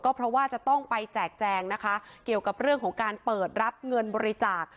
เพราะว่าจะต้องไปแจกแจงนะคะเกี่ยวกับเรื่องของการเปิดรับเงินบริจาค